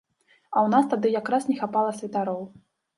А ў нас тады якраз не хапала святароў.